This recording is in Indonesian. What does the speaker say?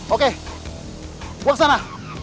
oke gue kesana